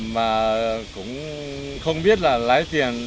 mà cũng không biết là lái tiền